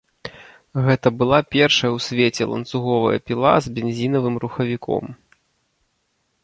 Гэта была першая ў свеце ланцуговая піла з бензінавым рухавіком.